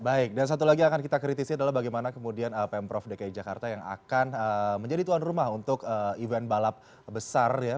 baik dan satu lagi yang akan kita kritisi adalah bagaimana kemudian pemprov dki jakarta yang akan menjadi tuan rumah untuk event balap besar ya